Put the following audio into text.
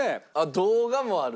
動画もある？